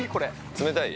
◆冷たい？